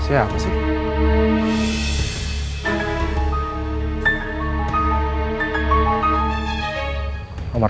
saya harus tahu ricky mau ke mana